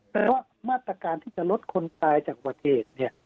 เพราะว่ามาตรการที่จะลดคนตายจากบัติเหตุเนี่ย